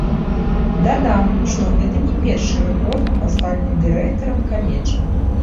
Дадам, што гэта не першы рэкорд, пастаўлены дырэктарам каледжа.